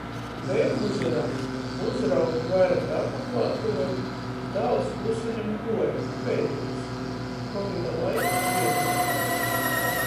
Bejom muzejā. Uzraugu vaira kai apmaklātuoju, dāls kluseņom guoja - beiduos. Kovida laika bierneiba.